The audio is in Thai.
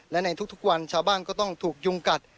และในทุกวันชาวบ้านก็ต้องถูกยุงกัด